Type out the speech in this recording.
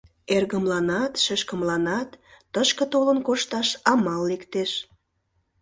Эргымланат, шешкымланат тышке толын кошташ амал лектеш.